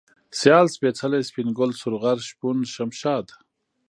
سيال ، سپېڅلى ، سپين گل ، سورغر ، شپون ، شمشاد